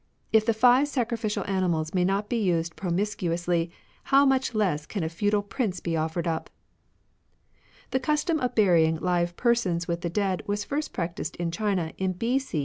If the five sacrificial animals may not be used promiscuously, how much less can a feudal prince be offered up 1 " The custom of burying Hving persons with the dead was first practised in China in B.C.